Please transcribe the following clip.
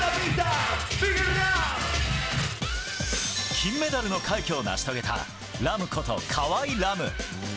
金メダルの快挙を成し遂げたＲＡＭこと河合来夢。